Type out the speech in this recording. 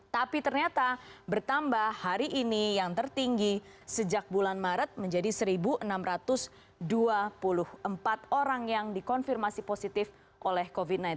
tapi ternyata bertambah hari ini yang tertinggi sejak bulan maret menjadi satu enam ratus dua puluh empat orang yang dikonfirmasi positif oleh covid sembilan belas